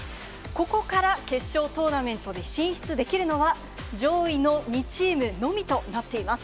ここから決勝トーナメントへ進出できるのは、上位の２チームのみとなっています。